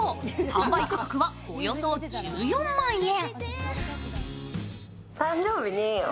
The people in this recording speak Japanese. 販売価格はおよそ１４万円。